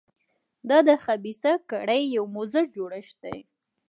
دا د خبیثه کړۍ یو مضر جوړښت دی.